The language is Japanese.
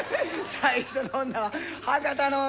最初の女は博多の女や。